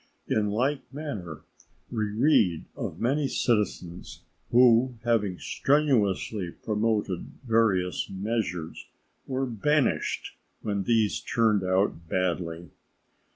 In like manner, we read of many citizens who having strenuously promoted various measures were banished when these turned out badly.